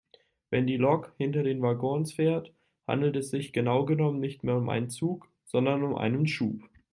Wenn die Lok hinter den Waggons fährt, handelt es sich genau genommen nicht mehr um einen Zug sondern um einen Schub.